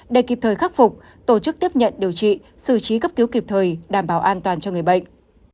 để kịp thời khắc phục tổ chức tiếp nhận điều trị xử trí cấp cứu kịp thời đảm bảo an toàn cho người bệnh